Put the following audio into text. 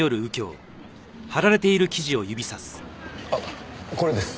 あっこれです。